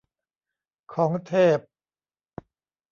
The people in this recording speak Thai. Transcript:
ของเทพ